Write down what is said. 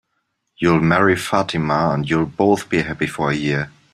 You'll marry Fatima, and you'll both be happy for a year.